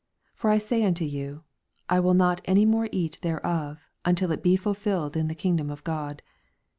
16 For I say unto you, I will not any more eat thereof, until it be ful filled in the kingdom of God.